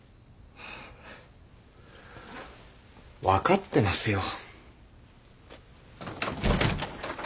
分かってますよ。